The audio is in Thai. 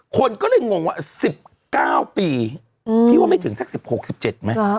คนก็เลยงงว่า๑๙ปีพี่ว่าไม่ถึงสัก๑๖๑๗ไหม